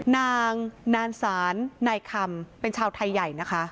นางนานศาลนายคำเป็นชาวไทยใหญ่นะคะ